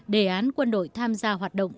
đề án quân đội tham gia hoạt động